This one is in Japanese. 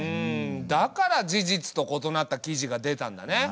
だから事実と異なった記事が出たんだね。